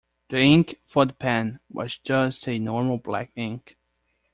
The ink for the pen, was just a normal black ink.